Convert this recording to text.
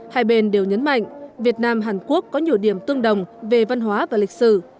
hai bên đều nhấn mạnh việt nam hàn quốc có nhiều điểm tương đồng về văn hóa và lịch sử